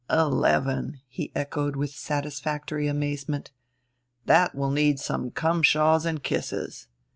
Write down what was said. "Eleven," he echoed with a satisfactory amazement; "that will need some cumshaws and kisses."